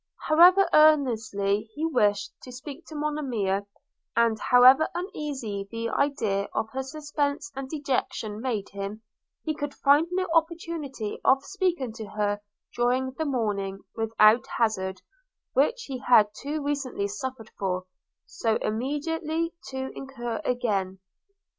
However earnestly he wished to speak to Monimia, and however uneasy the idea of her suspense and dejection made him, he could find no opportunity of speaking to her during the morning, without hazard, which he had too recently suffered for, so immediately to incur again.